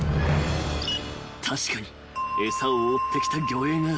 ［確かに餌を追ってきた魚影が］